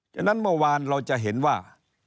ฉะนั้นเมื่อวานเราจะเห็นว่า